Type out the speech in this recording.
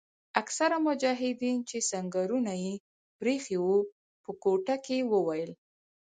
اکثره مجاهدین چې سنګرونه یې پریښي وو په کوټه کې وویل.